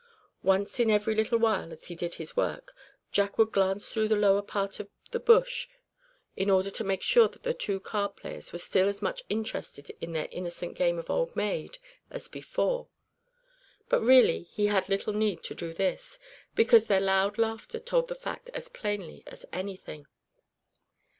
Once in every little while as he did this work, Jack would glance through the lower part of the bush in order to make sure that the two card players were still as much interested in their innocent game of "Old Maid" as before. But really he had little need to do this, because their loud laughter told the fact as plainly as anything.